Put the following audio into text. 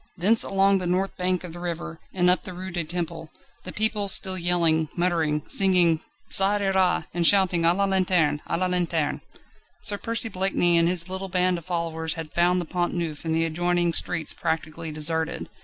Thence along the north bank of the river, and up the Rue du Temple, the people still yelling, muttering, singing the "Ça ira," and shouting: "A la lanterne! A la lanterne!" Sir Percy Blakeney and his little band of followers had found the Pont Neuf and the adjoining streets practically deserted.